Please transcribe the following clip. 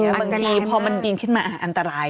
บางทีพอมันบินขึ้นมาอันตราย